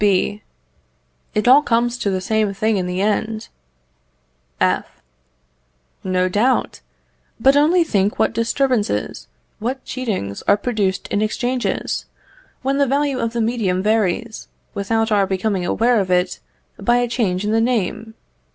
B. It all comes to the same thing in the end. F. No doubt; but only think what disturbances, what cheatings are produced in exchanges, when the value of the medium varies, without our becoming aware of it by a change in the name.